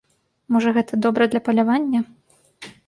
Можа, гэта добра для палявання?